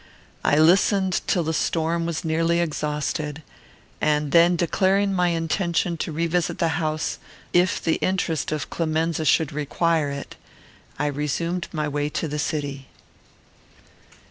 I listened till the storm was nearly exhausted, and then, declaring my intention to revisit the house if the interest of Clemenza should require it, I resumed my way to the city.